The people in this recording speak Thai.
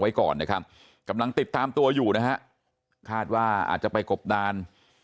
ไว้ก่อนนะครับกำลังติดตามตัวอยู่นะฮะคาดว่าอาจจะไปกบดาน